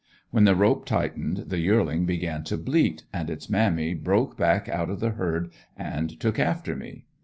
When the rope tightened the yearling began to bleat and its mammy broke back out of the herd and took after me.